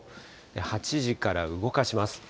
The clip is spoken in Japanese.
８時から動かします。